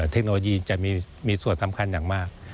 เทคโนโลยีจะมีส่วนสำคัญอย่างมาก